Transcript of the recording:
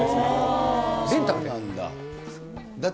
レンタルで。